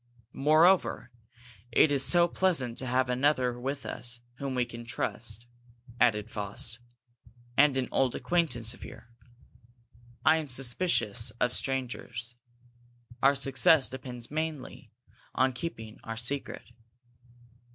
"Moreover, it is so pleasant to have another with us whom we can trust," added Faust, "and an old acquaintance of yours. I am suspicious of strangers. Our success depends mainly on keeping our secret."